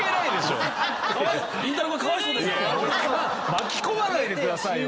巻き込まないでくださいよ！